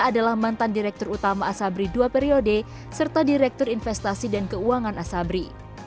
adalah mantan direktur utama asabri dua periode serta direktur investasi dan keuangan asabri